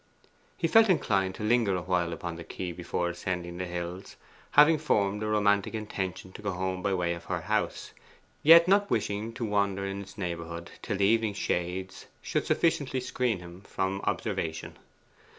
He felt inclined to linger awhile upon the quay before ascending the hills, having formed a romantic intention to go home by way of her house, yet not wishing to wander in its neighbourhood till the evening shades should sufficiently screen him from observation.